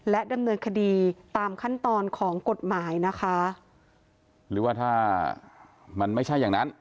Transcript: ดำเนินคดีตามขั้นตอนของกฎหมายนะคะหรือว่าถ้ามันไม่ใช่อย่างนั้น